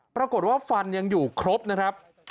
ปรากฏว่าฟันยังอยู่ครบนะครับ